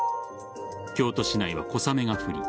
京都市内は小雨が降り